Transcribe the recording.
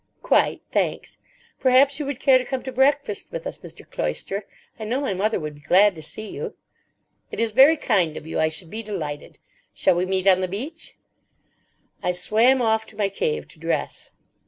"Quite, thanks. Perhaps you would care to come to breakfast with us, Mr. Cloyster? I know my mother would be glad to see you." "It is very kind of you. I should be delighted. Shall we meet on the beach?" I swam off to my cave to dress.